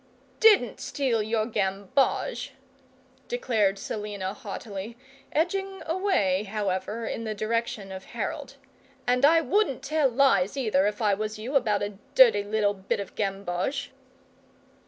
"DIDN'T steal your gamboge," declared Selina, haughtily, edging away, however, in the direction of Harold. "And I wouldn't tell lies, either, if I was you, about a dirty little bit of gamboge."